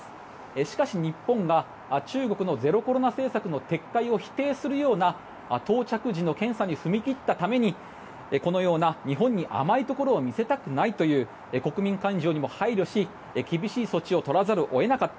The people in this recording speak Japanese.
しかし、日本が中国のゼロコロナ政策の撤回を否定するような到着時の検査に踏み切ったためにこのような日本に甘いところを見せたくないという国民感情にも配慮し厳しい措置を取らざるを得なかった。